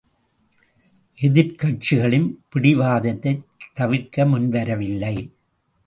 எதிர்க்கட்சிகளும் பிடிவாதத்தைத் தவிர்க்க முன்வரவில்லை.